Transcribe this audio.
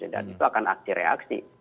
dan itu akan aksi reaksi